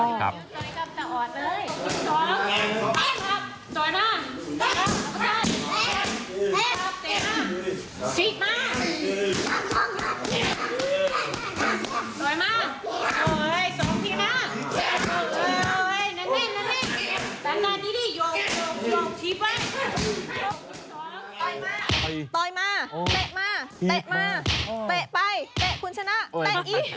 เตะไปเตะคุณชนะเตะอีก